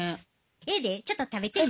ええでちょっと食べてみ。